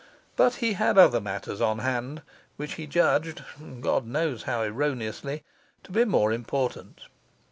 But he had other matters on hand, which he judged (God knows how erroneously) to be more important.